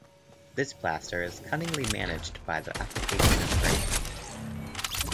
This plaster is cunningly managed by the application of gray paint.